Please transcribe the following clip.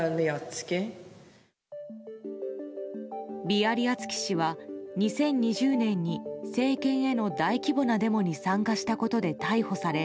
ビアリアツキ氏は２０２０年に政権への大規模なデモに参加したことで逮捕され